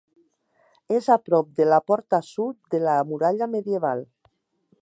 És a prop de la porta sud de la muralla medieval.